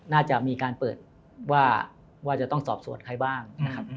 น่าจะมีการเปิดว่าว่าจะต้องสอบสวนใครบ้าง